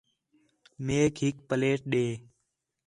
میک ہِک پلیٹ ݙے